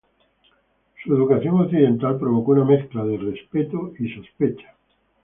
Su educación occidental provocó una mezcla de respeto y sospecha.